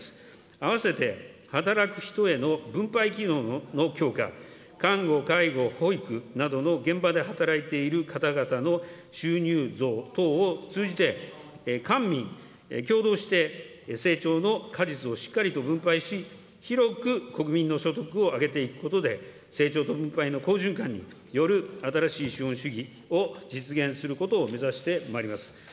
あわせて働く人への分配機能の強化、看護、介護、保育などの現場で働いている方々の収入増等を通じて、官民共同して、成長の果実をしっかりと分配し、広く国民の所得を上げていくことで、成長と分配の好循環による新しい資本主義を実現することを目指してまいります。